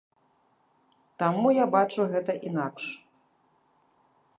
Таму я бачу гэта інакш.